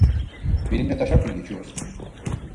Benimle taşak mı geçiyorsun?